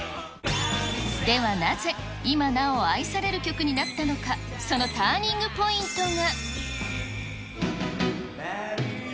ではなぜ、今なお愛される曲になったのか、そのターニングポイントが。